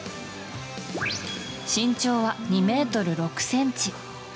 身長は２ｍ６ｃｍ。